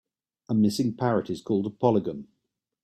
A missing parrot is called a polygon.